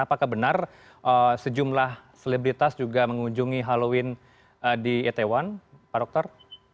apakah benar sejumlah selebritas juga mengunjungi halloween di itaewon pak dokter